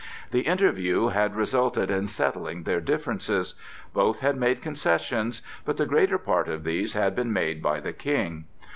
The interview had resulted in settling their differences. Both had made concessions, but the larger part of these had been made by the King.